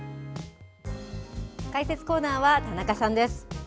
解説コーナーは田中さんです。